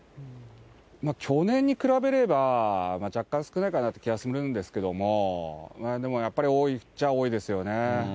去年に比べれば、若干少ないかなって気はするんですけど、でもやっぱり多いっちゃ多いですよね。